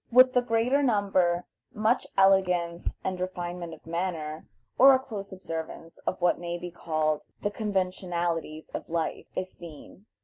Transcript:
With the greater number much elegance and refinement of manner, or a close observance of what may be called the conventionalities of life, is seen.